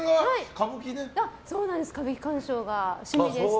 歌舞伎鑑賞が趣味でして。